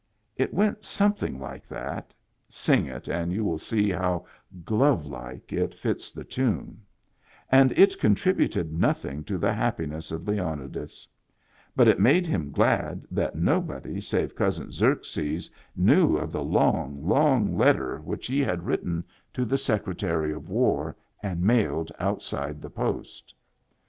It went something like that (sing it and you will see how glove like it fits the tune), and it contrib uted nothing to the happiness of Leonidas ; but it made him glad that nobody save Cousin Xerxes knew of the long, long letter which he had writ Digitized by Google • IN THE BACK 113 ten to the Secretary of War and mailed outside the post.